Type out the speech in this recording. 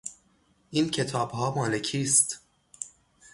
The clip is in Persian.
این کتابها مال کیست؟